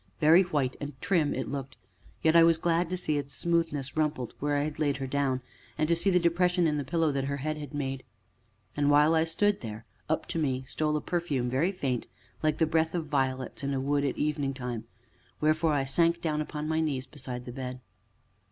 Very white and trim it looked, yet I was glad to see its smoothness rumpled where I had laid her down, and to see the depression in the pillow that her head had made. And, while I stood there, up to me stole a perfume very faint, like the breath of violets in a wood at evening time, wherefore I sank down upon my knees beside the bed.